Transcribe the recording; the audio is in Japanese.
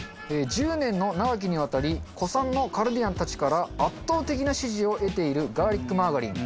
１０年の長きにわたり古参のカルディアンたちから圧倒的な支持を得ているガーリックマーガリン。